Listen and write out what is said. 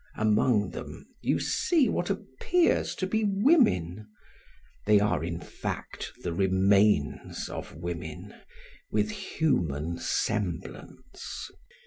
Among them you see what appears to be women; they are in fact the remains of women, with human semblance.